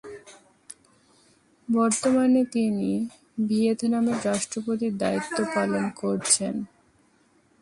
বর্তমানে তিনি ভিয়েতনামের রাষ্ট্রপতির দায়িত্ব পালন করছেন।